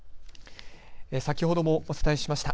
先ほどもお伝えしました。